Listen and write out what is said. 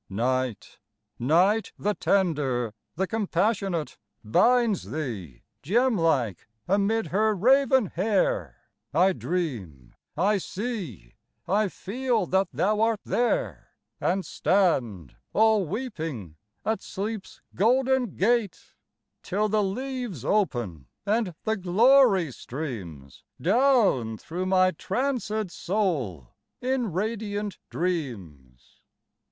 Night Night the tender, the compassionate, Binds thee, gem like, amid her raven hair; I dream I see I feel that thou art there And stand all weeping at Sleep's golden gate, Till the leaves open, and the glory streams Down through my trancèd soul in radiant dreams.